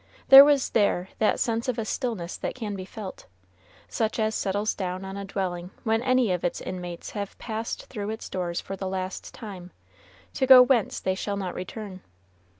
There was there that sense of a stillness that can be felt, such as settles down on a dwelling when any of its inmates have passed through its doors for the last time, to go whence they shall not return.